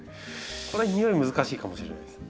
これにおい難しいかもしれないです。